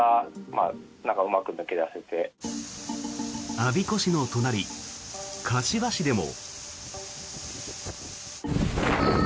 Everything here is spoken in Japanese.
我孫子市の隣、柏市でも。